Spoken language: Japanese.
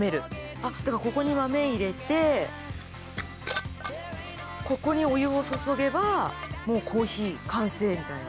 あっここに豆入れてここにお湯を注げばもうコーヒー完成みたいな。